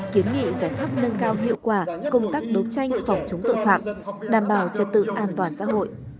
kiến nghị giải pháp nâng cao hiệu quả công tác đấu tranh phòng chống tội phạm đảm bảo trật tự an toàn xã hội